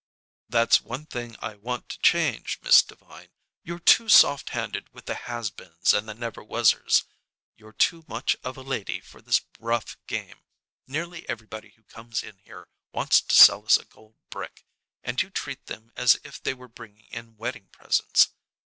"That's one thing I want to change, Miss Devine. You're too soft handed with the has beens and the never was ers. You're too much of a lady for this rough game. Nearly everybody who comes in here wants to sell us a gold brick, and you treat them as if they were bringing in wedding presents.